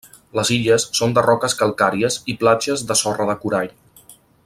Les illes són de roques calcàries i platges de sorra de corall.